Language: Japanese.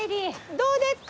どうでっか？